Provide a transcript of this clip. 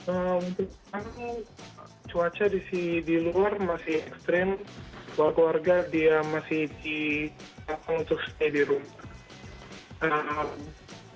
untuk sekarang cuaca di luar masih ekstrim warga warga masih dikawal untuk tinggal di rumah